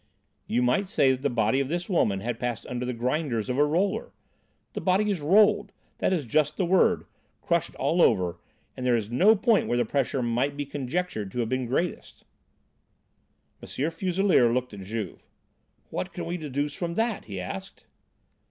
You might say that the body of this woman had passed under the grinders of a roller! The body is 'rolled,' that is just the word, crushed all over, and there is no point where the pressure might be conjectured to have been greatest." M. Fuselier looked at Juve. "What can we deduce from that?" he asked.